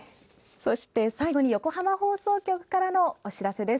そして最後に、横浜放送局からのお知らせです。